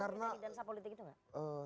anda berdansa politik itu enggak